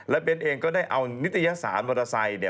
และเบนเองก็ได้เอานิตยศาสนมอเตอร์ไซต์